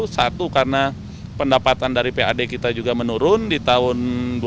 satu karena pendapatan dari pad kita juga menurun di tahun dua ribu dua puluh